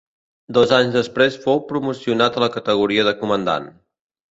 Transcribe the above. Dos anys després fou promocionat a la categoria de comandant.